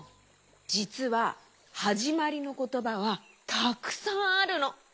じつははじまりのことばはたくさんあるの。